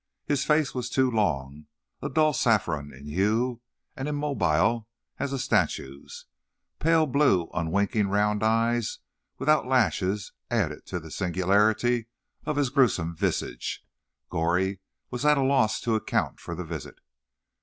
His face was too long, a dull saffron in hue, and immobile as a statue's. Pale blue, unwinking round eyes without lashes added to the singularity of his gruesome visage. Goree was at a loss to account for the visit.